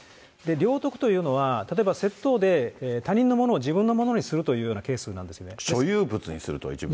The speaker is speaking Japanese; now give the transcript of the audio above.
領得というのは、例えば窃盗で他人のものを自分のものにするというようなケースな所有物にすると。